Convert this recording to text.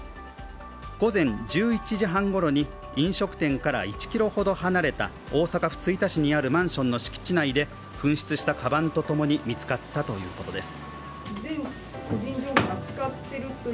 午前１１時半ごろに飲食店から１ｋｍほど離れた大阪府吹田市にあるマンションの敷地内で紛失したかばんとともに見つかったということです。